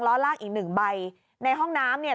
ในห้องน้ำเนี่ยกระเป๋าในห้องนามเนี่ย